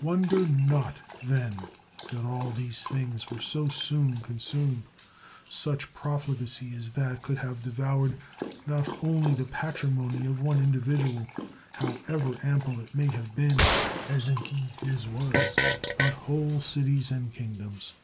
Wonder not, then, that all these things were so soon consumed. Such profligacy as that could have devoured not only the patrimony of one individual, however ample it might have been (as indeed his was), but whole cities and king doms.